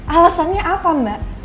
alasannya apa mbak